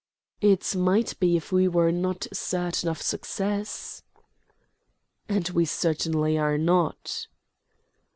"It might be if we were not certain of success." "And we certainly are not."